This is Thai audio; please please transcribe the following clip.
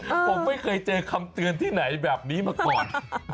ผมไม่เคยเจอคำเตือนที่ไหนแบบนี้มาก่อน